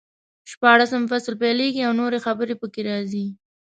شپاړسم فصل پیلېږي او نورې خبرې پکې راځي.